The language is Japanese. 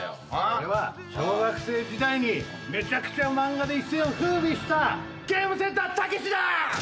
俺は小学生時代にめちゃくちゃ漫画で一世を風靡したゲームセンターたけしだ！